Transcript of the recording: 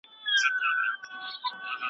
تاریخ پوه غواړي د تېر مهال واقعیتونه وپیژني.